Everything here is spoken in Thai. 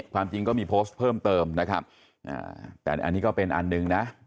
ความจริงก็มีโพสต์เพิ่มเติมนะครับแต่อันนี้ก็เป็นอันหนึ่งนะ